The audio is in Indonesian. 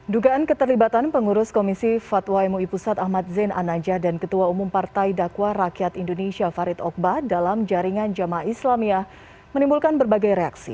dugaan keterlibatan pengurus komisi fatwa mui pusat ahmad zain anajah dan ketua umum partai dakwah rakyat indonesia farid okba dalam jaringan jamaah islamiyah menimbulkan berbagai reaksi